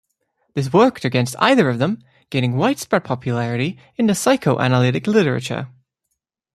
This worked against either of them gaining widespread popularity in the psychoanalytic literature.